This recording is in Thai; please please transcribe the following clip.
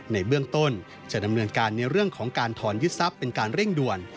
ในเบื้องต้นจะดำเนินการในเรื่องของการถอนยึดทรัพย์เป็นการเร่งด่วน